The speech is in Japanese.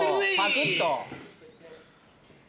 パクっと。